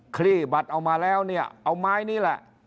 คลี่บัตรเอามาแล้วเนี่ยเอาไม้นี่แหละ